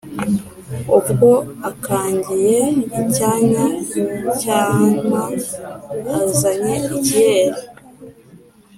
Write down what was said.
Ubwo akangiye icyanya Cyanwa azanye ikeyi